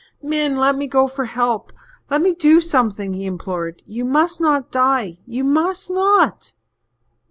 "Min, let me go for help let me do something," he implored. "You must not die you must not!"